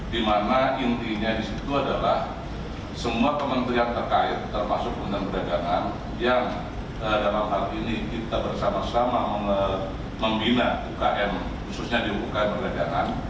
dimana intinya disitu adalah semua pemerintah yang terkait termasuk pemerintah perdagangan yang dalam hal ini kita bersama sama membina ukm khususnya di ukm perdagangan